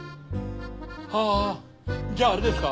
はじゃああれですか？